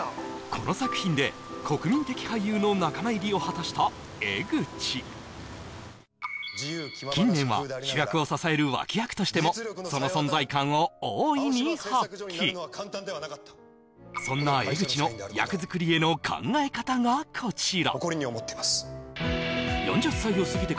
この作品で国民的俳優の仲間入りを果たした江口近年は主役を支える脇役としてもその存在感を大いに発揮そんな江口の役作りへの考え方がこちら